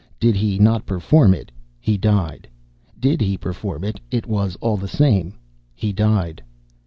Did he not perform it, he died. Did he perform it, it was all the same, he died.